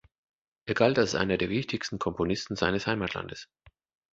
Er galt als einer der wichtigsten Komponisten seines Heimatlandes.